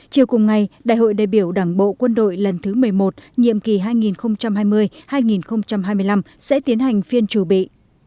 chiều cùng ngày đại hội đại biểu đảng bộ quân đội lần thứ một mươi một nhiệm kỳ hai nghìn hai mươi hai nghìn hai mươi năm sẽ tiến hành phiên chủ bị